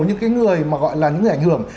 những cái người mà gọi là những người ảnh hưởng